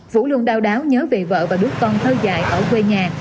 vũ luôn đau đáu nhớ về vợ và đứa con thơ dài ở quê nhà